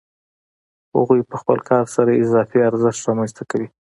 هغوی په خپل کار سره اضافي ارزښت رامنځته کوي